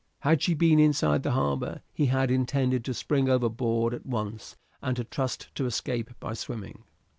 Had she been inside the harbour he had intended to spring overboard at once and to trust to escape by swimming.